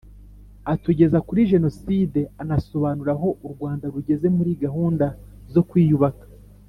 atugeza kuri Jenoside anasobanura aho u Rwanda rugeze muri gahunda zo kwiyubaka